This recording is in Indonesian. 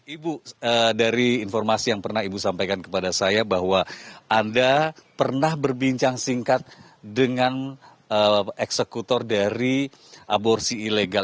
ibu dari informasi yang pernah ibu sampaikan kepada saya bahwa anda pernah berbincang singkat dengan eksekutor dari aborsi ilegal